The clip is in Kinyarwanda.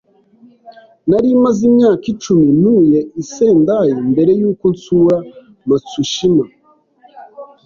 Nari maze imyaka icumi ntuye i Sendai mbere yuko nsura Matsushima.